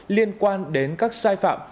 liên quan đến các sai phạm